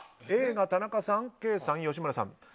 Ａが田中さん、ケイさん、吉村さん。